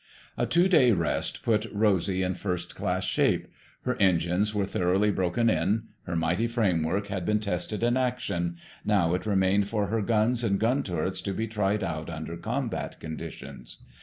A two day rest put Rosy in first class shape. Her engines were thoroughly broken in. Her mighty framework had been tested in action. Now it remained for her guns and gun turrets to be tried out under combat conditions.